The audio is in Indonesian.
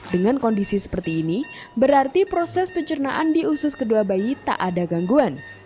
dengan kondisi seperti ini berarti proses pencernaan di usus kedua bayi tak ada gangguan